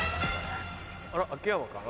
あら秋山かな。